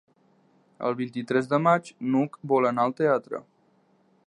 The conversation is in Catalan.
El vint-i-tres de maig n'Hug vol anar al teatre.